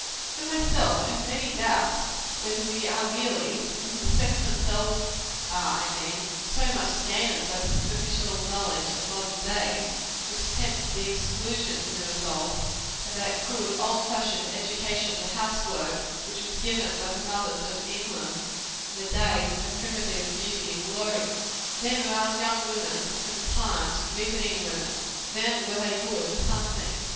For myself, I have many doubts whether we are really whether the sex themselves are, I mean so much the gainers by the superficial knowledge of modern days, which tends to the exclusion, in the result, of that good old fashioned education to house work, which was given by the mothers of New England, in the days of her primitive beauty and glory. Then were our young women, for the times, reasoning women; then were they good for something.